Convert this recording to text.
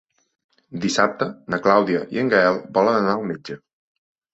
Dissabte na Clàudia i en Gaël volen anar al metge.